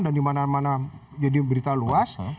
dan dimana mana jadi berita luas